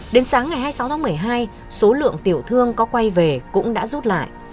đến sáng ngày hai mươi sáu tháng một mươi hai số lượng tiểu thương có quay về cũng đã rút lại